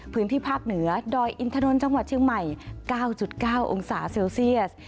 พื้นที่ภาคเหนือดอยอินทนนท์จังหวัดเชียงใหม่๙๙องศาเซลเซียส